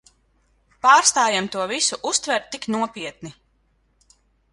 Pārstājam to visu uztvert tik nopietni.